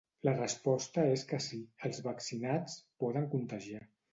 La resposta és que sí, els vaccinats poden contagiar.